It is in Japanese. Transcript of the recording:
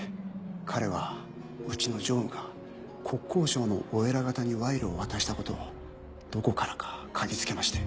彼はうちの常務が国交省のお偉方に賄賂を渡したことをどこからか嗅ぎつけまして。